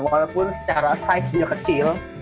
walaupun secara size dia kecil